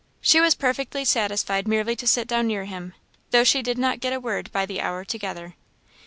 She was perfectly satisfied merely to sit down near him, though she did not get a word by the hour together.